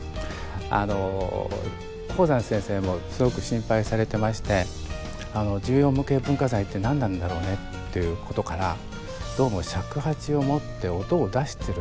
あの邦山先生もすごく心配されてまして重要無形文化財って何なんだろうね？っていうことからどうも尺八を持って音を出してるその音が重要